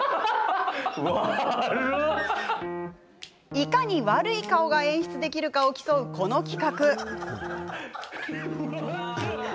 いかに悪い顔が演出できるかを競う、この企画。